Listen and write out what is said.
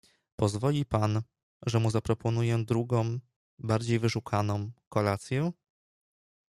"Pozwoli pan, że mu zaproponuję drugą, bardziej wyszukaną, kolację?"